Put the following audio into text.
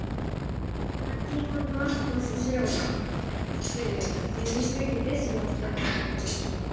先ほどは少し白が実利を稼ぎ過ぎてしまったということでしょうか。